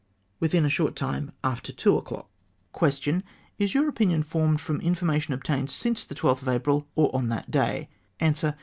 —" WitJtin a short time after two o'clock." PLENTY OF WATER. 413 Question. — "Is your opinion formed from information ob tained since the 12th of April, or on that day?" Answer.